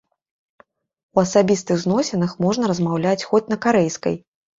У асабістых зносінах можна размаўляць хоць на карэйскай.